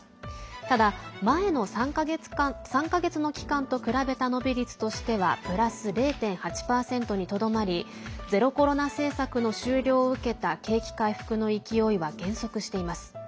ただ、前の３か月の期間と比べた伸び率としてはプラス０．８％にとどまりゼロコロナ政策の終了を受けた景気回復の勢いは減速しています。